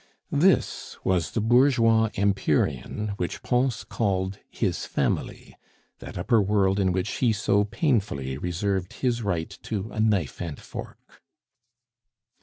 This was the bourgeois empyrean which Pons called his "family," that upper world in which he so painfully reserved his right to a knife and fork.